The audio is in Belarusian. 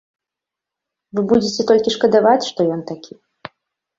Вы будзеце толькі шкадаваць, што ён такі.